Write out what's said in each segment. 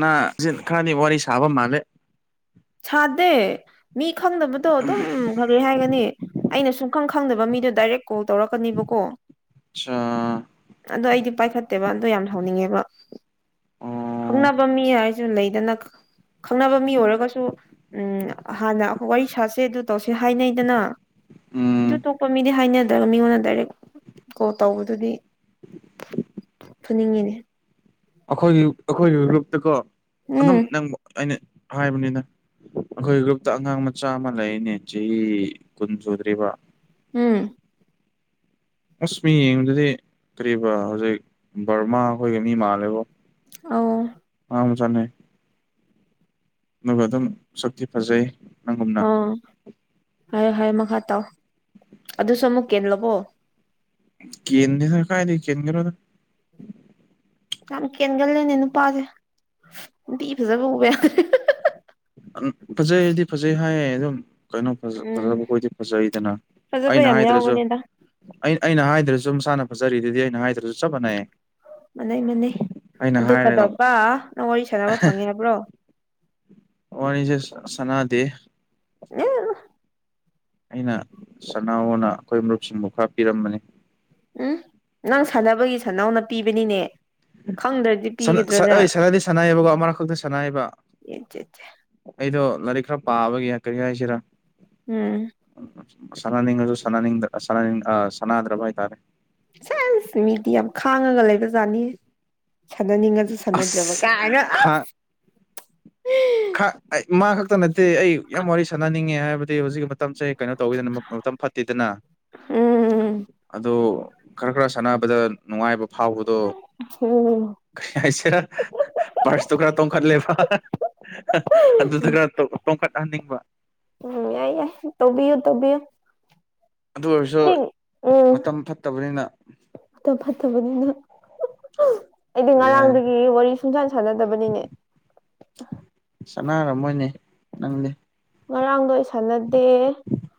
ꯅꯅꯥ ꯁꯤ ꯈꯔꯗꯤ ꯋꯥꯔꯤ ꯁꯥꯕ ꯃꯥꯜꯂꯦ ꯁꯥꯗꯦ ꯃꯤ ꯈꯪꯗꯕꯗꯣ ꯑꯗꯨꯝ ꯐꯔꯦ ꯍꯥꯏꯒꯅꯤ ꯑꯩꯅ ꯁꯨꯡꯈꯪ ꯈꯪꯗꯕ ꯃꯤꯗꯣ ꯗꯥꯏꯔꯦꯛ ꯀꯣꯜ ꯇꯧꯔꯛꯀꯅꯦꯕꯀꯣ ꯑ ꯑꯗꯣ ꯑꯩꯗꯤ ꯄꯥꯏꯈꯠꯇꯦꯕ ꯑꯗꯣ ꯌꯥꯝ ꯍꯥꯎꯅꯤꯡꯉꯦꯕ ꯑꯣ ꯈꯪꯅꯕ ꯃꯤ ꯍꯥꯏꯁꯨ ꯂꯩꯗꯅ ꯈꯪꯅꯕ ꯃꯤ ꯑꯣꯏꯔꯒꯁꯨ ꯎꯝ ꯍꯥꯟꯅ ꯑꯩꯈꯣꯏ ꯋꯥꯔꯤ ꯁꯥꯁꯦ ꯑꯗꯨ ꯇꯧꯁꯦ ꯍꯥꯏꯅꯩꯗꯅ ꯑꯗꯨ ꯎꯝ ꯇꯣꯄ ꯃꯤꯗꯤ ꯍꯥꯏꯅꯗ꯭ꯔꯒ ꯃꯤꯉꯣꯟꯗ ꯗꯥꯏꯔꯦꯛ ꯀꯣ ꯇꯧꯕꯗꯨꯗꯤ ꯊꯨꯅꯤꯡꯉꯤꯅꯦ ꯑꯩꯈꯣꯏꯒꯤ ꯑꯩꯈꯣꯏꯒꯤ ꯒ꯭ꯔꯨꯞꯇꯀꯣ ꯑꯗꯨꯝ ꯎꯝ ꯅꯪ ꯑꯩꯅ ꯍꯥꯏꯕꯅꯤꯅ ꯑꯩꯈꯣꯏ ꯒ꯭ꯔꯨꯞꯇ ꯑꯉꯥꯡ ꯃꯆꯥ ꯑꯃ ꯂꯩꯔꯤꯅꯦ ꯆꯍꯤ ꯀꯨꯟ ꯁꯨꯗ꯭ꯔꯤꯕ ꯎꯝ ꯑꯁ ꯃꯤ ꯌꯦꯡꯉꯨꯗꯨꯗꯤ ꯀꯔꯤꯕ ꯍꯧꯖꯤꯛ ꯕꯔꯃꯥ ꯑꯩꯈꯣꯏꯒ ꯃꯤ ꯃꯥꯜꯂꯦꯕꯣ ꯑ ꯑꯝꯖꯅꯦ ꯑꯗꯨꯒ ꯑꯗꯨꯝ ꯁꯛꯇꯤ ꯐꯖꯩ ꯅꯪꯒꯨꯝꯅ ꯑꯣ ꯍꯥꯏꯣ ꯍꯥꯏꯨ ꯃꯈꯥ ꯇꯥ ꯑꯗꯨꯁꯨ ꯑꯃꯨꯛ ꯀꯦꯜꯂꯕꯣ ꯀꯦꯟ꯭ꯔ ꯁꯔ ꯀꯥꯏ ꯂꯩ ꯀꯦꯟ ꯌꯥꯝ ꯀꯦꯟꯒꯜꯂꯦꯅꯦ ꯅꯨꯄꯥꯁꯦ ꯅꯨꯄꯤ ꯐꯖꯕ ꯎꯕ ꯐꯖꯩꯗꯤ ꯐꯖꯩ ꯍꯥꯏꯌꯦ ꯑꯗꯨꯝ ꯀꯩꯅꯣ ꯎꯝ ꯐꯖꯕꯈꯣꯏꯗꯤ ꯐꯖꯩꯗꯅ ꯐꯖꯕ ꯑꯩꯅ ꯌꯥꯝ ꯍꯥꯏꯗ꯭ꯔꯁꯨ ꯌꯥꯎꯕꯅꯦꯗ ꯑꯩꯅ ꯑꯩꯅ ꯍꯥꯏꯗ꯭ꯔꯁꯨ ꯃꯁꯥꯅ ꯐꯖꯔꯤ ꯑꯗꯨꯗꯤ ꯑꯩꯅ ꯍꯥꯏꯗ꯭ꯔꯁꯨ ꯆꯠ ꯃꯅꯦꯩꯌꯦ ꯃꯅꯩ ꯃꯅꯩ ꯑꯗꯨ ꯍꯥꯏꯔꯒ ꯀꯗꯧꯕ ꯅꯪ ꯋꯥꯔꯤ ꯁꯥꯟꯅꯕ ꯐꯪꯉꯦꯍꯥꯏꯕ꯭ꯔꯣ꯫ ꯋꯥꯔꯤꯅꯤꯁꯦ ꯁꯅꯥꯗꯦ ꯑꯦ ꯑꯩꯅ ꯁꯅꯥꯍꯣꯅ ꯑꯩꯈꯣꯏ ꯃꯔꯨꯞꯁꯤꯡꯕꯨ ꯈꯔ ꯄꯤꯔꯝꯕꯅꯤ ꯎꯝ ꯅꯪ ꯁꯥꯟꯅꯕꯒꯤ ꯁꯥꯟꯅꯥꯎꯅ ꯄꯤꯕꯅꯤꯅꯦ ꯈꯪꯗ꯭ꯔꯗꯤ ꯄꯤꯒꯗ꯭ꯔꯣꯅ ꯑꯩ ꯁꯥꯟꯅꯗꯤ ꯁꯥꯟꯅꯩꯑꯕꯀꯣ ꯃꯔꯛ ꯈꯛꯇ ꯁꯥꯟꯅꯩꯕ ꯑꯦ ꯆꯦ ꯆꯦ ꯑꯩꯗꯣ ꯂꯥꯏꯔꯤꯛ ꯈꯔ ꯄꯥꯕꯒꯦ ꯀꯔꯤ ꯍꯥꯏꯁꯤꯔꯥ ꯎꯝ ꯁꯅꯥꯅꯤꯡꯉꯁꯨ ꯁꯥꯟꯅꯤꯡꯗ꯭ꯔ ꯑ ꯁꯥꯟꯅꯤꯡ ꯑꯥ ꯁꯥꯟꯅꯗ꯭ꯔꯥꯕ ꯍꯥꯏꯇꯥꯔꯦ꯫ ꯁꯦꯁ ꯃꯤꯗꯤ ꯌꯥꯝ ꯈꯥꯡꯉꯒ ꯂꯩꯕꯖꯥꯠꯅꯤ ꯁꯥꯟꯅꯅꯤꯡꯉꯁꯨ ꯁꯥꯟꯅꯗ꯭ꯔꯕ ꯀꯥꯏꯅ ꯑꯁ ꯑ ꯈꯥ ꯑꯩ ꯃꯥ ꯈꯛꯇ ꯅꯠꯇꯦ ꯑꯩ ꯌꯥꯝ ꯋꯥꯔꯤ ꯁꯥꯟꯅꯅꯤꯡꯉꯦ ꯍꯥꯏꯕꯗꯤ ꯍꯧꯖꯤꯛꯀꯤ ꯃꯇꯝꯁꯦ ꯀꯩꯅꯣ ꯇꯧꯋꯤꯗꯅ ꯃꯇꯝ ꯐꯠꯇꯦꯗꯅ ꯎꯝ ꯑꯗꯣ ꯈꯔ ꯈꯔ ꯁꯥꯟꯅꯕꯗ ꯅꯨꯡꯉꯥꯏꯕ ꯐꯥꯎꯕꯗꯣ ꯎꯝ ꯀꯩ ꯍꯥꯏꯁꯤꯔꯥ ꯄꯥꯔꯁꯇꯨ ꯈꯔ ꯇꯣꯡꯈꯠꯂꯦꯕ ꯑꯗꯨꯗ ꯈꯔ ꯇꯣꯡꯈꯠꯍꯟꯅꯤꯡꯕ ꯎꯝ ꯌꯥꯏ ꯌꯥꯏ ꯇꯧꯕꯤꯌꯨ ꯇꯧꯕꯤꯌꯨ ꯑꯗꯨ ꯑꯣꯏꯔꯁꯨ ꯃꯇꯝ ꯐꯠꯇꯕꯅꯤꯅ ꯇ ꯐꯠꯇꯕꯅꯤꯅ ꯑꯩꯗꯤ ꯀꯔꯤ ꯍꯥꯏ ꯉꯔꯥꯡꯗꯒꯤ ꯋꯥꯔꯤ ꯁꯨꯡꯁꯥꯟ ꯁꯥꯟꯅꯗꯕꯅꯤꯅꯦ ꯁꯅꯥꯔꯝꯃꯣꯏꯅꯦ ꯅꯪꯗꯤ ꯉꯔꯥꯡꯗꯣ ꯑꯩ ꯁꯥꯟꯅꯗꯦ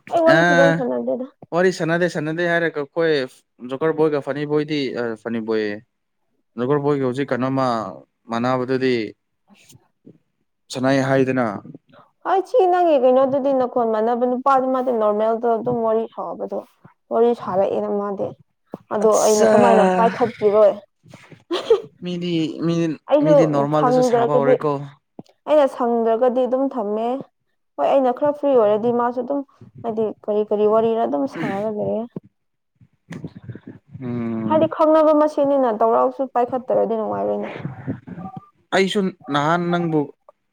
ꯑꯩ ꯋꯥꯔꯤ ꯐꯖꯅ ꯑꯥ ꯁꯥꯟꯅꯗꯦꯗ ꯋꯥꯔꯤ ꯁꯥꯟꯅꯗꯦ ꯁꯥꯟꯅꯗꯦ ꯍꯥꯏꯔꯒ ꯑꯩꯈꯣꯏ ꯖꯣꯀꯔ ꯕꯣꯏꯒ ꯐꯅꯤ ꯕꯣꯏꯗꯤ ꯐꯅꯤ ꯕꯣꯏꯌꯦ ꯅꯒꯕꯣꯏꯒꯤ ꯍꯧꯖꯤꯛ ꯀꯩꯅꯣꯝꯃ ꯃꯅꯕꯗꯗꯤ ꯁꯅꯥꯏ ꯍꯥꯏꯗꯅ ꯑꯩ ꯆꯤ ꯅꯪꯒꯤ ꯀꯩꯅꯣꯗꯨꯗꯤ ꯅꯈꯣꯜ ꯃꯥꯟꯅꯕ ꯅꯨꯄꯥꯗꯨꯃꯗꯤ ꯅꯣꯔꯃꯦꯜꯗ ꯑꯗꯨꯝ ꯋꯥꯔꯤ ꯁꯥꯥꯎꯕꯗꯣ꯫ ꯋꯥꯔꯤ ꯁꯥꯔꯛꯑꯦꯅ ꯃꯥꯗꯤ ꯑꯗꯣ ꯑꯩꯅ ꯀꯃꯥꯏꯅ ꯄꯥꯏꯈꯠꯄꯤꯔꯣꯏ ꯃꯦꯗꯤ ꯃꯤ ꯑꯩꯁꯨ ꯃꯤꯗꯤ ꯅꯣꯔꯃꯦꯜꯗꯁꯨ ꯁꯥꯕ ꯁꯪꯖ꯭ꯔꯒꯗꯤ ꯍꯧꯔꯦꯀꯣ ꯑꯩꯅ ꯁꯪꯗ꯭ꯔꯒꯗꯤ ꯑꯗꯨꯝ ꯊꯝꯃꯦ ꯍꯣꯏ ꯑꯩꯅ ꯈꯔ ꯐ꯭ꯔꯤ ꯑꯣꯏꯔꯗꯤ ꯃꯥꯁꯨ ꯑꯗꯨꯝ ꯍꯥꯏꯗꯤ ꯀꯔꯤ ꯀꯔꯤ ꯋꯥꯔꯤꯔ ꯑꯗꯨꯝ ꯁꯥꯔꯒꯦ ꯎꯝ ꯍꯥꯏꯗꯤ ꯈꯪꯅꯕ ꯃꯁꯦꯟꯅꯤꯅ ꯇꯧꯔꯛꯁꯨ ꯄꯥꯏꯈꯠꯇ꯭ꯔꯗꯤ ꯅꯨꯡꯉꯥꯏꯔꯣꯏꯅꯦ꯫ ꯑꯩꯁꯨ ꯅꯍꯥꯟ ꯅꯪꯕꯨ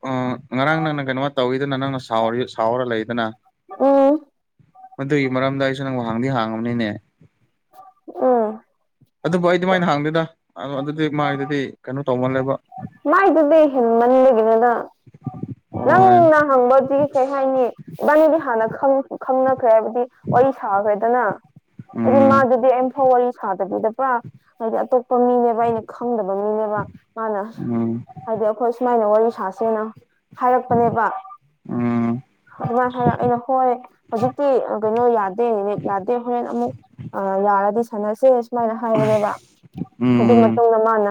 ꯑ ꯉꯔꯥꯡ ꯅꯪꯅ ꯀꯩꯅꯣꯃ ꯇꯧꯋꯤꯗꯅ ꯅꯪꯅꯥꯎꯔꯤ ꯁꯥꯎꯔ ꯂꯩꯗꯅ ꯎꯝ ꯃꯗꯨꯒꯤ ꯃꯔꯝꯗ ꯑꯩꯁꯨ ꯅꯪ ꯋꯥꯍꯥꯡꯗꯤ ꯍꯥꯡꯉꯅꯤꯅꯦ ꯎꯝ ꯑꯗꯨꯕꯨ ꯑꯩꯗꯤ ꯃꯥꯏꯅ ꯍꯥꯡꯗꯦꯗ ꯑꯗꯨꯗꯤ ꯃꯥꯒꯤꯗꯨꯗꯤ ꯀꯩꯅꯣ ꯇꯧꯃꯜꯂꯦꯕ ꯃꯥꯏꯗꯨꯗꯤ ꯍꯦꯟꯃꯟꯕꯒꯤꯅꯅ ꯍꯣꯏ ꯅꯪꯅ ꯍꯪꯕꯗꯤ ꯀꯩ ꯍꯥꯏꯅꯤ ꯏꯕꯥꯅꯤꯗꯤ ꯍꯥꯟꯅ ꯈꯪꯅꯈ꯭ꯔꯦ ꯍꯥꯏꯕꯗꯤ ꯋꯥꯔꯤ ꯁꯥꯈ꯭ꯔꯦꯗꯅ ꯎꯝ ꯑꯩꯗꯤꯃꯥꯗꯨꯗꯤ ꯑꯝ ꯐꯥꯎ ꯋꯔꯤ ꯁꯥꯗꯕꯤꯗꯕ꯭ꯔꯥ ꯍꯥꯏꯗꯤ ꯑꯇꯣꯞꯄ ꯃꯤꯅꯦꯕ ꯑꯩꯅ ꯈꯪꯗꯕ ꯃꯤꯅꯦꯕ ꯃꯥꯅ ꯎꯝ ꯍꯥꯏꯗꯤ ꯑꯩꯈꯣꯏ ꯁꯨꯃꯥꯏꯅ ꯋꯥꯔꯤ ꯁꯥꯁꯦꯅ ꯍꯥꯏꯔꯛꯄꯅꯦꯕ ꯑ ꯑꯗꯨꯃꯥꯏꯅ ꯍꯥꯏꯔꯛ ꯑꯩꯅ ꯍꯣꯏ ꯍꯧꯖꯤꯛꯇꯤ ꯀꯩꯅꯣ ꯌꯥꯗꯦ ꯌꯥꯗꯦ ꯍꯣꯔꯦꯟ ꯑꯃꯨꯛ ꯌꯥꯔꯗꯤ ꯁꯥꯟꯅꯁꯦ ꯁꯨꯃꯥꯏꯅ ꯍꯥꯏꯕꯅꯦꯕ ꯑꯗꯨ ꯎꯝ ꯃꯇꯨꯡꯗ ꯃꯥꯅ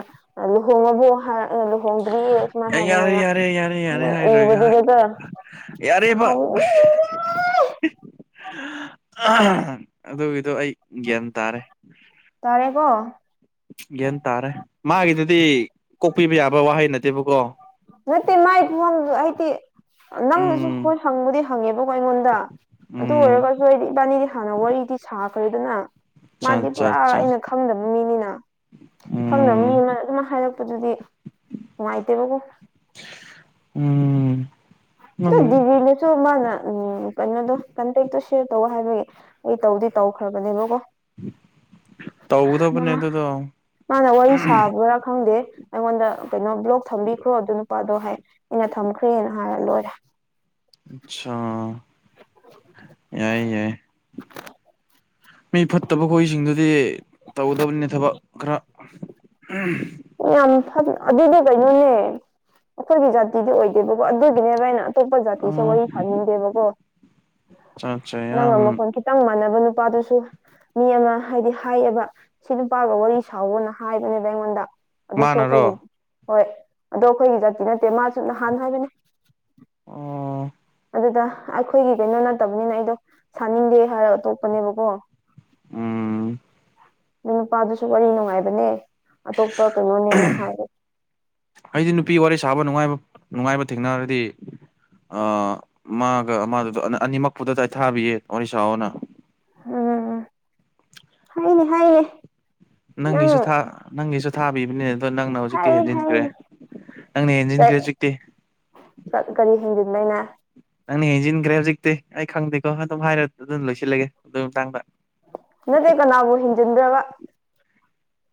ꯂꯨꯍꯣꯡꯉꯣꯕꯨ ꯍꯥꯏꯔ ꯂꯨꯍꯣꯡꯗ꯭ꯔꯤꯌꯦ ꯁꯨꯃꯥꯏꯅ ꯌꯥꯔꯦ ꯍꯥꯏꯕꯅꯦꯅ ꯌꯥꯔꯦ ꯌꯥꯔꯦ ꯌꯥꯔꯦ ꯍꯥꯏꯔꯣꯏꯒ ꯎꯕꯗꯨꯅꯦꯀ ꯌꯥꯔꯦꯕ ꯍ ꯑꯗꯨꯒꯤꯗꯣ ꯑꯩ ꯒ꯭ꯌꯥꯟ ꯇꯥꯔꯦ ꯇꯥꯔꯦꯀꯣ ꯒ꯭ꯌꯥꯟ ꯇꯥꯔꯦ ꯃꯥꯒꯤꯗꯨꯗꯤ ꯀꯣꯛꯄꯤꯕ ꯌꯥꯕ ꯋꯥꯍꯩ ꯅꯠꯇꯦꯕꯀꯣ ꯅꯠꯇꯦ ꯃꯥꯏ ꯈꯍꯪꯗ ꯑꯩꯗꯤ ꯅꯪꯅꯁꯨ ꯍꯣꯏ ꯎꯝ ꯍꯪꯕꯨꯗꯤ ꯍꯪꯉꯦꯕꯀꯣ ꯑꯩꯉꯣꯟꯗ ꯑꯗꯨ ꯎꯝ ꯑꯣꯏꯔꯒꯁꯨꯗꯤ ꯏꯕꯥꯅꯤꯗꯤ ꯍꯥꯟꯅ ꯋꯥꯔꯤꯗꯤ ꯁꯥꯈ꯭ꯔꯦꯗꯅ ꯑꯆꯥ ꯃꯥꯗꯤ ꯑꯆꯥ ꯄꯨꯔꯥ ꯑꯆꯥ ꯑꯩꯅ ꯈꯪꯗꯕ ꯃꯤꯅꯤꯅ ꯈꯪꯗꯕ ꯎꯝ ꯃꯤ ꯑꯃ ꯑꯗꯨꯃ ꯍꯥꯏꯔꯛꯄꯗꯨꯗꯤ ꯅꯨꯡꯉꯥꯏꯇꯦꯕꯀꯣ ꯎꯝ ꯑ ꯅꯪ ꯗꯤꯕꯤꯅꯁꯨ ꯃꯥꯅ ꯎ ꯀꯩꯅꯣꯗꯣ ꯀꯟꯇꯦꯛꯇꯣ ꯁꯦꯌꯔ ꯇꯧ ꯍꯥꯏꯕꯒꯤ ꯑꯩ ꯇꯧꯗꯤ ꯇꯧꯈ꯭ꯔꯕꯅꯦꯕꯀꯣ ꯇꯧꯒꯗꯕꯅꯦ ꯑꯗꯨꯗꯣ ꯃꯥꯅ ꯋꯥꯔꯤ ꯁꯥꯕ꯭ꯔꯥ ꯈꯪꯗꯦ ꯑꯩꯉꯣꯟꯗ ꯀꯩꯅꯣ ꯕ꯭ꯂꯣꯛ ꯊꯝꯕꯤꯈ꯭ꯔꯣ ꯑꯗꯨ ꯅꯨꯄꯥꯗꯣ ꯍꯥꯏ ꯑꯩꯅ ꯊꯝꯈ꯭ꯔꯦꯅ ꯍꯥꯏꯔ ꯂꯣꯏꯔꯦ ꯑꯆꯥꯥ ꯌꯥꯏ ꯌꯥꯏ [inaudible] ꯃꯤ ꯐꯠꯇꯕ ꯈꯈꯣꯏꯁꯤꯡꯗꯨꯗꯤ ꯇꯧꯒꯗꯕꯅꯤ ꯊꯕꯛ ꯈꯔ ꯌꯥꯝ ꯐ ꯑꯗꯨꯗꯤ ꯀꯩꯅꯣꯅꯦ ꯑꯈꯣꯏꯒꯤ ꯖꯥꯇꯤꯗꯤ ꯑꯣꯏꯗꯦꯕꯀꯣ ꯑꯗꯨꯒꯤꯅꯦꯕ ꯑꯩꯅ꯫ ꯑꯇꯣꯞꯄ ꯖꯥꯇꯤꯁꯦ ꯋꯥꯔꯤ ꯑꯆꯥ ꯐꯥꯅꯤꯡꯗꯦꯕꯀꯣ ꯑꯠꯆꯥ ꯅꯪ ꯌꯥꯝ ꯑꯃꯣꯟ ꯈꯤꯇꯪ ꯃꯥꯟꯅꯕ ꯅꯨꯄꯥꯗꯨꯁꯨ ꯃꯤ ꯑꯃ ꯍꯥꯏꯗꯤ ꯍꯥꯏꯌꯦꯕ ꯁꯤ ꯅꯨꯄꯥꯒ ꯋꯥꯔꯤ ꯁꯥꯎꯋꯅ ꯍꯥꯏꯕꯅꯦꯕ ꯑꯩꯉꯣꯟꯗ ꯑꯗꯨꯁꯨ ꯑꯩꯈꯣꯏꯒꯤ ꯃꯥꯅꯔꯣ ꯍꯣꯏ ꯑꯗꯣ ꯑꯈꯣꯏꯒꯤꯗꯗꯤ ꯅꯠꯇꯦ ꯃꯥꯁꯨ ꯅꯍꯥꯟ ꯍꯥꯏꯕꯅꯦ ꯑꯣ ꯑꯗꯨꯗ ꯑꯩꯈꯣꯏꯒꯤ ꯀꯩꯅꯣ ꯅꯠꯇꯕꯅꯤꯅ ꯑꯩꯗꯣ ꯁꯥꯅꯤꯡꯗꯦ ꯍꯥꯏꯔꯒ ꯑꯇꯣꯞꯄꯅꯦꯕꯀꯣ ꯎꯝ ꯅꯣꯏ ꯅꯨꯄꯥꯗꯨꯁꯨ ꯋꯥꯔꯤ ꯅꯨꯡꯉꯥꯏꯕꯅꯦ ꯑꯇꯣꯞꯄ ꯀꯩꯅꯣꯅꯦꯅ ꯍꯥꯏ ꯑꯩꯗꯤ ꯅꯨꯄꯤ ꯋꯥꯔꯤ ꯁꯥꯕ ꯅꯨꯡꯉꯥꯏꯕ ꯅꯨꯡꯉꯥꯏꯕ ꯊꯦꯡꯅꯔꯗꯤ ꯑ ꯃꯥꯒ ꯃꯥꯗꯨꯗ ꯑꯅꯤꯃꯛꯄꯨꯗ ꯇꯥꯏ ꯊꯥꯕꯤꯌꯦ ꯋꯥꯔꯤ ꯁꯥꯥꯅ ꯑ ꯍꯥꯏꯅꯦ ꯍꯥꯏꯅꯦ ꯅꯪꯒꯤꯁꯨ ꯅꯪ ꯅꯪꯒꯤꯁꯨ ꯊꯥꯕꯤꯕꯅꯦ ꯑꯗꯣ ꯅꯪꯅ ꯍꯧꯖꯤꯛꯇꯤ ꯍꯥꯏ ꯍꯦꯟꯖꯤꯟꯈ꯭ꯔꯦ ꯍꯥꯏꯅꯦ ꯅꯪꯅ ꯍꯦꯟꯖꯤꯟꯈ꯭ꯔꯦ ꯍꯧꯖꯤꯛꯇꯤ ꯀꯔꯤ ꯍꯦꯟꯖꯤꯟꯕꯩꯅ ꯅꯪꯅ ꯍꯦꯟꯖꯤꯟꯈ꯭ꯔꯦ ꯍꯧꯖꯤꯛꯇꯤ ꯑꯩ ꯈꯪꯗꯦꯀꯣ ꯑꯗꯨꯝ ꯍꯥꯏꯔ ꯑꯗꯨꯝ ꯂꯣꯏꯁꯤꯜꯂꯒꯦ ꯑꯗꯨ ꯃꯇꯥꯡꯗ ꯅꯠꯇꯦ ꯀꯅꯥꯕꯨ ꯍꯦꯟꯖꯤꯟꯗ꯭ꯔꯕ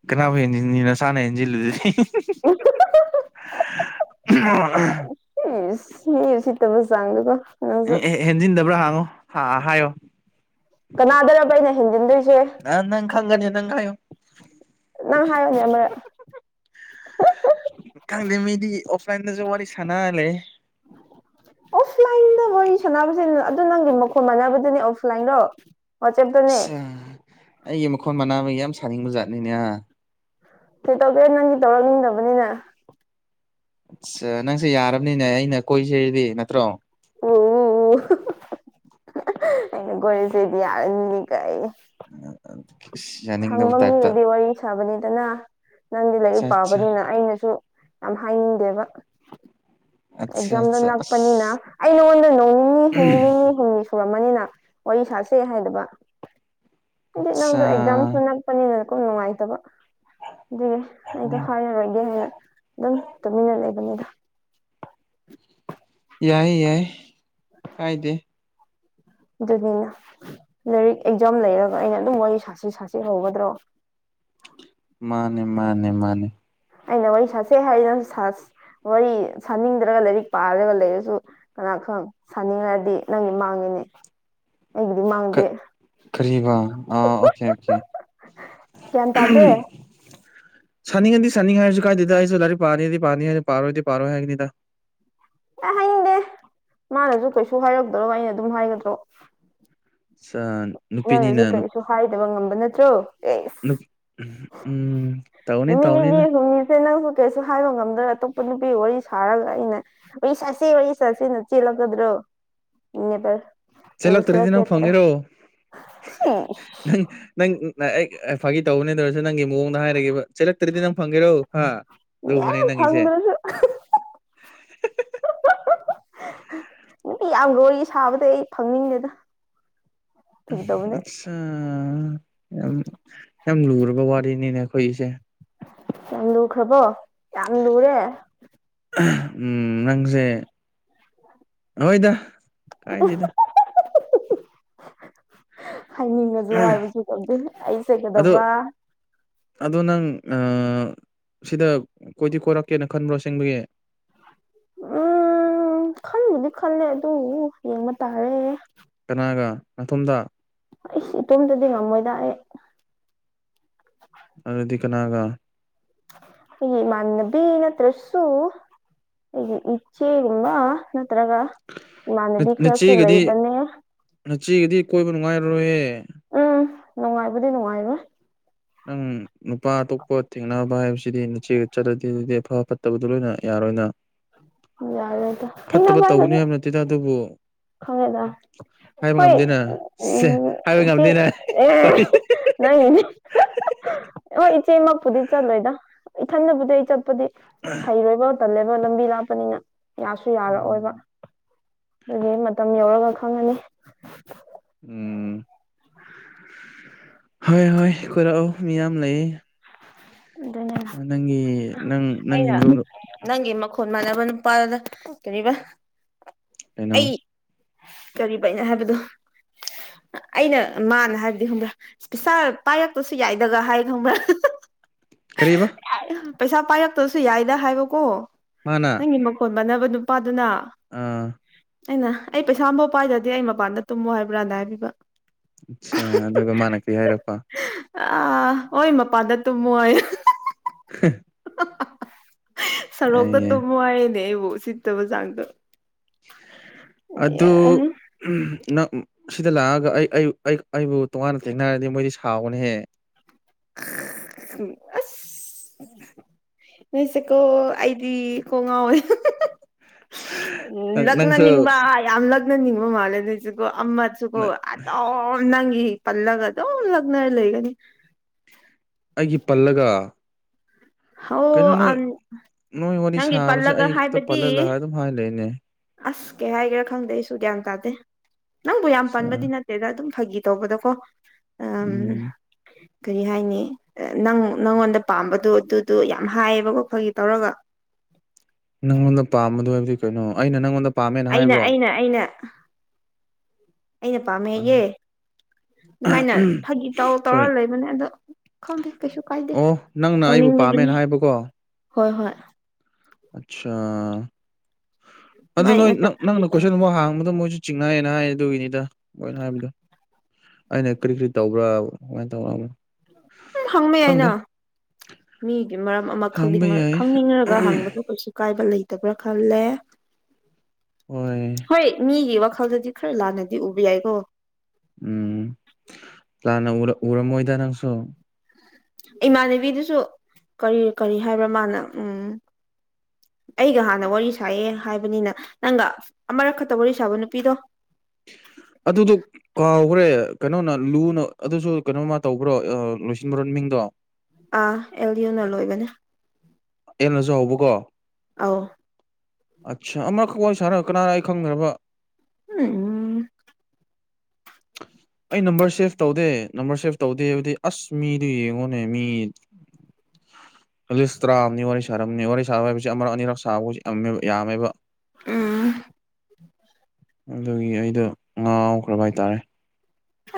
ꯀꯅꯥꯕꯨꯨꯝ ꯌꯦꯦꯟꯁꯤꯟꯅꯤꯅꯁꯥꯅ ꯍꯦꯟꯁꯤꯜꯂꯨꯗꯨꯗꯤ ꯑꯣ ꯏ ꯃꯤꯔꯁꯤꯇ ꯃ ꯆꯥꯡꯒꯒꯣ ꯎꯝ ꯑꯦ ꯍꯦꯟꯖꯤꯟꯗꯕ꯭ꯔꯥ ꯍꯥꯡꯉꯣ ꯍꯥ ꯍꯥꯏꯌꯣ ꯀꯅꯥꯗꯔꯕ ꯑꯩꯅ ꯍꯦꯟꯖꯤꯟꯗꯣꯏꯁꯦ꯫ ꯅꯪ ꯅꯪ ꯈꯪꯒꯅꯤ ꯅꯪ ꯈꯥꯏꯌꯣ ꯅ ꯍꯥꯏꯣꯅꯦ ꯈꯪꯗ ꯃꯤꯗꯤ ꯑꯣꯐꯂꯥꯏꯟꯗꯁꯨ ꯋꯥꯔꯤ ꯋꯥꯔꯤ ꯁꯥꯟꯂꯦ ꯑꯣꯐꯂꯥꯏꯟꯗ ꯋꯥꯔꯤ ꯁꯥꯟꯅꯕꯁꯦ ꯑꯗꯨ ꯅꯪꯒꯤ ꯃꯈꯣꯟ ꯃꯥꯟꯅꯕꯗꯨꯅꯦ ꯑꯣꯐꯂꯥꯏꯟꯗꯣ ꯋꯥꯆꯦꯞꯇꯅꯦ ꯑ ꯑꯩꯒꯤ ꯃꯈꯣꯟ ꯃꯅꯥꯅꯕ ꯌꯥꯝ ꯁꯥꯅꯤꯡꯕ ꯖꯥꯠꯅꯤꯅꯦ ꯀꯩ ꯇꯧꯒꯦ ꯅꯪꯒꯤ ꯇꯧꯔꯛꯅꯤꯡꯗꯕꯅꯤꯅ ꯁꯥ ꯅꯪꯁꯦ ꯌꯥꯔꯕꯅꯤꯅꯦ ꯑꯩꯅ ꯀꯣꯏꯁꯦꯗꯤ ꯅꯠꯇ꯭ꯔꯣ꯫ ꯑꯣ ꯩꯅꯒꯣꯁꯤꯗꯤ ꯑꯔꯅꯤ ꯀꯥꯏ [inaudible] ꯁꯪꯕ ꯇꯥꯏꯞꯇ ꯃꯤꯗꯗꯤ ꯋꯥꯔꯤ ꯁꯥꯕꯅꯤꯗꯅ ꯅꯪꯗꯤ ꯑꯆꯥ ꯂꯥꯏꯔꯤꯛ ꯑꯆꯥ ꯄꯥꯕꯅꯤꯅ ꯑꯩꯅꯁꯨ ꯌꯥꯝ ꯍꯥꯏꯅꯤꯡꯗꯦꯕ ꯑꯆꯥ ꯑꯦꯛꯖꯥꯝꯅ ꯑꯆꯥ ꯑꯁ ꯅꯛꯄꯅꯤꯅ ꯑꯩ ꯅꯉꯣꯟꯗ ꯅꯣꯡ ꯅꯤꯅꯤ ꯅꯨꯃꯤꯠ ꯅꯤꯅꯤ ꯍꯨꯝꯅꯤ ꯁꯨꯔꯝꯃꯅꯤꯅ ꯋꯥꯔꯤ ꯁꯥꯠꯁꯦ ꯍꯥꯏꯗꯕ ꯅꯪ ꯑꯠꯆꯥ ꯑꯦꯛꯖꯝ ꯁꯅ ꯄꯅꯤꯅ ꯀꯨꯝ ꯅꯨꯡꯉꯥꯏꯇꯕ ꯑꯗꯨꯒꯤ ꯑꯩꯗꯣ ꯍꯥꯏꯔꯔꯣꯏꯒꯦ ꯍꯥꯏꯅ ꯑꯗꯨꯝ ꯇꯨꯃꯤꯟꯅ ꯂꯩꯕꯅꯤꯗ꯫ ꯌꯥꯏ ꯌꯥꯏ ꯀꯥꯏꯗꯦ ꯑꯗꯨꯅꯤꯅ ꯂꯥꯏꯔꯤꯛ ꯑꯦꯛꯖꯥꯝ ꯂꯩꯔꯒ ꯑꯩꯅ ꯑꯗꯨꯝ ꯋꯥꯔꯤ ꯁꯥꯁꯤ ꯁꯥꯁꯤ ꯍꯧꯒꯗ꯭ꯔꯣ꯫ ꯃꯥꯅꯦ ꯃꯥꯅꯦ ꯃꯥꯅꯦ ꯑꯩꯅ ꯋꯥꯔꯤ ꯁꯥꯁꯩ ꯍꯥꯏꯔ ꯁꯥꯁ ꯋꯥꯔꯤ ꯁꯥꯅꯤꯡꯗ꯭ꯔꯒ ꯂꯥꯏꯔꯤꯛ ꯄꯥꯔꯒ ꯂꯩꯔꯁꯨ ꯀꯅꯥ ꯈꯪ ꯁꯥꯅꯤꯡꯉꯗꯤ ꯅꯪꯒꯤ ꯃꯥꯡꯉꯤꯅꯦ ꯑꯩꯒꯤꯗꯤ ꯃꯥꯡꯗꯦ ꯀꯔꯤꯕꯥ ꯑꯥ ꯑꯣꯀꯦ ꯑꯣꯀꯦ ꯀꯇꯗꯦ ꯁꯥꯅꯤꯡꯉꯗꯤ ꯁꯥꯅꯤꯡꯉꯦ ꯍꯥꯏꯔꯁꯨ ꯀꯥꯏꯗꯦꯗ ꯑꯩꯁꯨ ꯂꯥꯏꯔꯤꯛ ꯄꯥꯅꯦꯗꯤ ꯄꯥꯅꯤꯔꯦ ꯄꯥꯔꯣꯏꯗꯤ ꯄꯥꯔꯣꯏ ꯍꯥꯏꯒꯅꯤꯗ꯫ ꯑꯦ ꯍꯥꯏꯅꯤꯡꯗꯦ ꯃꯥꯅꯁꯨ ꯀꯩꯁꯨ ꯍꯥꯏꯔꯛꯇ꯭ꯔꯣ ꯑꯩꯅ ꯑꯗꯨꯝ ꯍꯥꯏꯒꯗ꯭ꯔꯣ꯫ ꯑꯠꯆꯥ ꯅꯪꯅꯁꯨ ꯅꯨꯄꯤꯅꯤꯅ ꯀꯔꯤꯁꯨ ꯍꯥꯏꯗꯕ ꯉꯝꯕ ꯅꯠꯇ꯭ꯔꯣ ꯑꯦꯁ ꯎꯝ ꯇꯧꯅꯤ ꯑꯗꯨꯃꯤꯅꯤꯗꯤ ꯇꯧꯅꯤꯅ ꯍꯨꯃꯤꯁꯦꯅ ꯀꯩꯁꯨ ꯍꯥꯏꯕ ꯉꯝꯗ꯭ꯔꯦ ꯑꯇꯣꯞꯄ ꯅꯨꯄꯤ ꯋꯥꯔꯤ ꯁꯥꯔꯒ ꯑꯩꯅ ꯑꯩ ꯁꯥꯁꯤꯦ ꯋꯥꯔꯤ ꯁꯥꯁꯤꯅ ꯆꯦꯜꯂꯛꯀꯗ꯭ꯔꯣꯕ ꯆꯦꯜꯂꯛꯇ꯭ꯔꯗꯤ ꯅꯪ ꯐꯪꯉꯦꯔꯣ ꯁꯤꯁ ꯅꯪ ꯅꯪ ꯅ ꯑꯩ ꯑ ꯐꯥꯒꯤ ꯇꯧꯕꯅꯦ ꯑꯗꯨꯔꯁꯨ ꯅꯪꯒꯤ ꯃꯑꯣꯡꯗ ꯍꯥꯏꯔꯒꯦꯕ ꯆꯦꯜꯂꯛꯇ꯭ꯔꯗꯤ ꯅꯪ ꯐꯪꯒꯦꯔꯣ ꯍꯥ꯫ ꯌꯥ ꯂꯨꯕꯅꯦ ꯅꯪꯒꯤꯁꯦ ꯐꯪꯗ꯭ꯔꯁꯨ [inaudible] ꯌꯥꯝ ꯂꯣ ꯁꯥꯕꯗ ꯑꯩ ꯐꯪꯅꯤꯡꯗꯦꯅ ꯑꯝ ꯑꯠꯁ ꯌꯥꯝ ꯌꯥꯝ ꯂꯨꯔꯕ ꯋꯥꯔꯤꯅꯤꯅꯦ ꯑꯩꯈꯣꯏꯒꯤꯁꯦ ꯌꯥꯝ ꯂꯈ꯭ꯔꯕꯣ ꯌꯥꯝ ꯌꯥꯝ ꯂꯨꯔꯦ ꯎꯝ ꯅꯪꯁꯦ ꯍꯣꯏꯗ ꯀꯥꯏꯗꯦꯗ ꯍꯥꯏꯅꯤꯡꯉꯁꯨ ꯍꯥꯏꯕꯁꯨ ꯈꯪꯗꯦ ꯑꯩ ꯑꯗꯣ ꯁꯦꯀꯗꯕ ꯑꯗꯣ ꯅꯪ ꯑ ꯁꯤꯗ ꯀꯣꯏꯗꯤ ꯀꯣꯏꯔꯛꯀꯦꯅ ꯈꯟꯕ꯭ꯔꯣ ꯑꯁꯦꯡꯕꯒꯤ꯫ ꯎꯝ ꯈꯟꯕꯨꯗꯤ ꯈꯜꯂꯦ ꯑꯗꯨꯕꯨ ꯌꯦꯡꯕ ꯇꯥꯔꯦ ꯀꯅꯥꯒ ꯅꯊꯣꯝꯗ ꯑꯩꯁ ꯏꯇꯣꯝꯗꯗꯤ ꯉꯝꯃꯣꯏꯗ ꯑꯩ꯫ ꯑꯗꯨꯗꯤ ꯀꯅꯥꯒ ꯑꯩ ꯃꯅꯕꯤꯅ ꯊ꯭ꯔꯁꯨꯨ ꯑꯩꯒꯤ ꯏꯆꯦꯒꯨꯝꯕ ꯅꯠꯇ꯭ꯔꯒ ꯃꯥꯅꯗꯤ ꯈꯔꯁꯨꯨꯂ ꯅꯆꯦꯒꯗꯤ ꯏꯕꯅꯦ ꯅꯆꯦꯒꯗꯤ ꯀꯣꯏꯕ ꯅꯨꯡꯉꯥꯏꯔꯔꯣꯏꯍꯦ ꯎꯝ ꯅꯨꯡꯉꯥꯏꯕꯨꯗꯤ ꯅꯨꯡꯉꯥꯏꯔꯣꯏ ꯅꯪ ꯅꯨꯄꯥ ꯑꯇꯣꯞꯄ ꯊꯦꯡꯅꯕ ꯍꯥꯏꯕꯁꯤꯗꯤ ꯅꯆꯦꯒ ꯆꯠꯂꯗꯤ ꯑꯗꯨꯗꯤ ꯑꯐ ꯐꯠꯇꯕꯗꯨ ꯂꯣꯏꯅ ꯌꯥꯔꯣꯏꯅ꯫ ꯌꯥꯔꯣꯏꯗ ꯐꯠꯇꯕ ꯊꯦꯡꯅꯕ ꯇꯧꯒꯅꯤ ꯍꯥꯏꯕꯁꯦ ꯌꯥꯝ ꯅꯠꯇꯦꯗ ꯑꯗꯨꯕꯨ ꯈꯪꯉꯦꯗ ꯍꯥꯏꯕ ꯍꯣꯏ ꯉꯝꯗꯦꯅ ꯁꯦ ꯎꯝ ꯍꯥꯏꯕ ꯉꯝꯗꯦꯅ ꯍꯣꯏ ꯅꯪꯒꯤꯅꯤ ꯍꯣꯏ ꯏꯆꯦꯃꯛꯄꯨꯗꯤ ꯆꯠꯂꯣꯏꯗ ꯏꯊꯟꯗꯕꯨꯗꯤ ꯑꯩ ꯆꯠꯄꯗꯤ ꯍꯩꯔꯣꯏꯕ ꯇꯜꯂꯦꯕ ꯂꯝꯕꯤ ꯂꯥꯞꯄꯅꯤꯅ ꯌꯥꯁꯨ ꯌꯥꯔꯛꯑꯣꯏꯕ ꯑꯗꯨꯒꯤ ꯃꯇꯝ ꯌꯧꯔꯒ ꯈꯪꯉꯅꯤ꯫ ꯎꯝ ꯍꯣꯏ ꯍꯣꯏ ꯀꯣꯏꯔꯛꯑꯣ ꯃꯤ ꯌꯥꯝ ꯂꯩꯌꯦ [inaudible] ꯅꯪꯒꯤ ꯅꯪ ꯅꯪꯒꯤ ꯑꯩꯅ ꯅꯪꯒꯤ ꯃꯈꯣꯟ ꯃꯥꯟꯅꯕ ꯅꯨꯄꯥꯗꯨꯅ ꯀꯔꯤꯕ ꯀꯩꯅꯣ ꯑꯩ ꯀ ꯐꯩꯅ ꯍꯥꯏꯕꯗꯣ ꯑꯩꯅ ꯃꯥꯅ ꯍꯥꯏꯕꯗꯤ ꯈꯪꯕ꯭ꯔꯥ ꯄꯩꯁꯥ ꯄꯥꯏꯔꯛꯇꯁꯨ ꯌꯥꯏꯗꯒ ꯍꯥꯏ ꯈꯪꯕ꯭ꯔꯥ ꯀꯔꯤꯕ ꯄꯩꯁꯥ ꯄꯥꯏꯔꯛꯇꯕꯁꯨ ꯌꯥꯏꯗ ꯍꯥꯏꯕꯀꯣ ꯃꯥꯅ ꯅꯪꯒꯤ ꯃꯈꯣꯟ ꯃꯥꯟꯅꯕ ꯅꯨ ꯅꯨꯄꯥꯗꯨꯅ ꯑꯥ ꯑꯩꯅ ꯑꯩ ꯄꯩꯁꯥ ꯑꯃꯐꯥꯎ ꯄꯥꯏꯗ꯭ꯔꯗꯤ ꯑꯩ ꯃꯄꯥꯟꯗ ꯇꯨꯝꯃꯣ ꯍꯥꯏꯕ꯭ꯔꯥꯅ ꯍꯥꯏꯕꯤꯕ ꯑꯆꯥ ꯑꯗꯨꯒ ꯃꯥꯅ ꯀꯔꯤ ꯍꯥꯏꯔꯛꯄ ꯑ ꯍꯣꯏ ꯃꯄꯥꯟꯗ ꯇꯨꯝꯃꯣꯏ ꯍ ꯁꯔꯣꯛꯇ ꯌꯥꯏ ꯑꯗꯨꯨꯝ ꯋꯥꯔꯦꯅꯦ ꯑꯩꯕꯨ ꯁꯤꯠꯇꯕ ꯆꯥꯡꯗꯣ ꯑꯗꯨꯗꯨ ꯅꯪ ꯁꯤꯗ ꯂꯥꯛꯑꯒ ꯑꯩ ꯑꯩꯕꯨ ꯇꯣꯉꯥꯟꯅ ꯊꯦꯡꯅꯔꯗꯤ ꯃꯣꯏꯗꯤ ꯁꯥꯎꯕꯅꯦꯍꯦ ꯎ ꯅꯣꯏꯁꯦꯀꯣ ꯑꯩꯗꯤ ꯀꯣ ꯉꯥꯎꯋꯦ ꯎ ꯅꯪ ꯅꯪꯁꯨ ꯂꯛꯅꯅꯤꯡꯕ ꯌꯥꯝ ꯂꯛꯅꯅꯤꯡꯕ ꯃꯥꯜꯂꯦ ꯑꯗꯨꯣꯏꯁꯨꯀꯣ ꯑꯃ ꯁꯨꯀꯣ ꯑꯗꯨꯝ ꯅꯪꯒꯤ ꯄꯜꯂꯒ ꯑꯗꯨꯝ ꯂꯛꯅꯔ ꯂꯩꯒꯅꯤ ꯑꯩꯒꯤ ꯄꯜꯂꯒ ꯍ ꯀꯩꯅꯣ ꯑ ꯅꯣꯏ ꯅꯣꯏ ꯋꯥꯔꯤ ꯅꯪꯒꯤ ꯁꯥꯕꯁꯦ ꯄꯜꯂꯒ ꯑꯩ ꯈꯛꯇ ꯍꯥꯏꯕꯗꯤ ꯄꯜꯍꯜꯂ ꯑꯗꯨꯝ ꯍꯥꯏ ꯂꯩꯅꯦ ꯑꯁ ꯀꯩ ꯍꯥꯏꯒꯦꯔꯥ ꯈꯪꯗꯦ ꯑꯩꯁꯨ ꯒ꯭ꯌꯥꯟ ꯇꯥꯗꯦ ꯅꯪꯕꯨ ꯌꯥꯝ ꯄꯟꯕꯗꯤ ꯅꯠ ꯁꯤꯗ ꯑꯗꯨꯝ ꯐꯥꯒꯤ ꯇꯧꯕꯗꯀꯣ ꯎꯝ ꯀꯔꯤ ꯍꯥꯏꯅꯤ ꯅꯪ ꯅꯪꯉꯣꯟꯗ ꯄꯥꯝꯕꯗꯣ ꯑꯗꯨꯗꯣ ꯌꯥꯝ ꯍꯥꯏꯌꯦꯕꯀꯣꯈꯒꯤ ꯇꯧꯔꯒ ꯅꯪꯉꯣꯟꯗ ꯄꯥꯝꯕꯗꯨꯣ ꯍꯥꯏꯕꯗꯤ ꯀꯩꯅꯣ ꯑꯩꯅ ꯅꯪꯉꯣꯟꯗ ꯄꯥꯝꯃꯦꯅ ꯑꯩꯅ ꯍꯥꯏꯕ꯭ꯔꯣ ꯑꯩꯅ ꯑꯩꯅ ꯑꯩꯅ ꯄꯥꯝꯃꯦꯌꯦꯦ ꯑꯗꯨꯃꯥꯏꯅ ꯐꯥꯒꯤ ꯇꯧꯔ ꯁꯣꯔꯤ ꯇꯧꯔꯒ ꯂꯩꯕꯅꯦ ꯑꯗꯣ ꯈꯪꯗꯦ ꯀꯩꯁꯨ ꯀꯥꯏꯗꯦ ꯑꯣ ꯅꯪꯅ ꯑꯩꯕꯨ ꯄꯥꯝꯃꯦꯅ ꯇꯧꯅꯤꯡꯕꯒꯤꯅꯤ ꯍꯥꯏꯕꯀꯣ ꯍꯣꯏ ꯍꯣꯏ ꯑꯠꯆꯥꯥ ꯑꯗꯨ ꯃꯥꯏ ꯅꯣꯏ ꯉꯥꯛꯇ ꯅꯪ ꯐꯥꯒꯤ ꯅꯪꯅ ꯇꯧꯔ ꯀꯣꯏꯁꯟ ꯑꯃ ꯍꯥꯡꯕꯗ ꯃꯣꯏꯖꯨ ꯆꯤꯡꯅꯥꯏꯌꯦꯅ ꯍꯥꯏꯌꯦ ꯑꯗꯨꯒꯤꯅꯤꯗ ꯃꯣꯏꯅ ꯍꯥꯏꯕꯗꯣ ꯑꯩꯅ ꯀꯔꯤ ꯀꯔꯤ ꯇꯧꯕ꯭ꯔꯥ ꯀꯃꯥꯏꯅ ꯇꯧꯣ ꯎꯝ ꯍꯪꯕ ꯌꯥꯏꯅꯥ ꯃꯤꯒꯤ ꯃꯔꯝ ꯑꯃ ꯍꯥꯡꯕ ꯈꯪꯅꯤꯡꯉ ꯌꯥꯏ ꯈꯪꯅꯤꯡꯉꯒ ꯍꯪꯕꯗꯨ ꯀꯩꯁꯨ ꯑꯀꯥꯏꯕ ꯂꯩꯇꯕ꯭ꯔꯥ ꯈꯜꯂꯦ ꯍꯣꯏ ꯍꯣꯏ ꯃꯤꯒꯤ ꯋꯥꯈꯜꯗꯗꯤ ꯈꯔ ꯂꯥꯟꯅꯗꯤ ꯎꯕ ꯌꯥꯏꯀꯣ ꯎꯝ ꯂꯥꯟꯅ ꯎꯔꯝꯃꯣꯏꯗ ꯅꯪꯁꯨ ꯏꯃꯥꯟꯅꯕꯤꯗꯨꯁꯨ ꯀꯔꯤ ꯀꯔꯤ ꯍꯥꯏꯕ꯭ꯔꯥ ꯃꯥꯅ ꯎꯝ ꯑꯩꯒ ꯍꯥꯟꯅ ꯋꯥꯔꯤ ꯁꯥꯏꯌꯦ ꯍꯥꯏꯕꯅꯤꯅ ꯅꯪꯒ ꯑꯃꯔꯛ ꯈꯇ ꯋꯥꯔꯤ ꯁꯥꯕ ꯅꯨꯄꯤꯗꯣ ꯑꯗꯨꯗꯨ ꯀꯥꯎꯒ꯭ꯔꯦ ꯀꯩꯅꯣꯅ ꯂꯨꯅ ꯑꯗꯨꯁꯨ ꯀꯩꯅꯣꯃ ꯇꯧꯕ꯭ꯔꯣ ꯂꯣꯏꯁꯤꯟꯕ꯭ꯔꯣ ꯃꯤꯡꯗꯣ ꯑ ꯑꯦꯜꯌꯟꯅ ꯂꯣꯏꯕꯅꯦ ꯑꯦꯜ ꯅꯖꯨ ꯍꯧꯕꯀꯣ ꯑꯥꯎ ꯑꯠꯆꯥꯥ ꯑꯃꯈꯛ ꯋꯥꯔꯤ ꯁꯥꯟꯔ ꯀꯅꯥꯅ ꯑꯩ ꯈꯪꯅꯕ ꯎ ꯎꯝ ꯑꯩ ꯅꯝꯕꯔ ꯁꯦꯞ ꯇꯧꯗꯦ ꯅꯝꯕꯔ ꯁꯦꯞ ꯇꯧꯗꯦꯕꯗꯤ ꯑꯁ ꯃꯤꯗꯨ ꯌꯦꯡꯉꯣ ꯅꯦ ꯃꯤ ꯑꯦꯂꯤꯁ ꯇꯔꯥꯝꯅꯤ ꯋꯥꯔꯤ ꯁꯥꯔꯝꯅꯤ ꯋꯥꯔꯤ ꯁꯥꯕ ꯍꯥꯏꯕꯁꯤ ꯑꯃꯔꯛ ꯑꯅꯤꯔꯛ ꯁꯥꯕꯒꯁꯦ ꯌꯥꯝꯃꯦꯕ ꯌꯥꯝꯃꯦꯕ ꯎꯝ ꯑꯗꯨꯒꯤ ꯑꯩꯗꯣ ꯉꯥꯎꯈ꯭ꯔꯕ ꯍꯥꯏꯇꯥꯔꯦ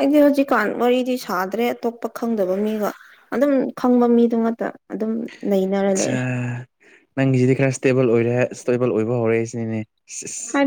ꯑꯩꯗꯤ ꯍꯧꯖꯤꯛꯀꯥꯟ ꯋꯥꯔꯤꯗꯤ ꯁꯥꯗ꯭ꯔꯦ ꯑꯇꯣꯞꯄ ꯈꯪꯗꯕ ꯃꯤꯒ ꯑꯗꯨꯝ ꯈꯪꯕ ꯃꯤꯗꯨꯃꯛꯇ ꯑꯗꯨꯝ ꯅꯦ ꯑꯆꯥ ꯅꯪꯒꯤꯖꯤꯗꯤ ꯈꯔ ꯏꯁꯇꯦꯕꯜ ꯑꯣꯏꯔꯦ ꯍꯥꯏ ꯏꯁꯇꯦꯕꯜ ꯑꯣꯏꯕ ꯍꯧꯔꯛꯏ ꯁꯤꯅꯤꯅꯦ ꯁꯤꯁ ꯍꯥꯏ